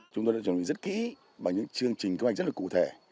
chúng tôi đã chuẩn bị rất kỹ và những chương trình công hành rất là cụ thể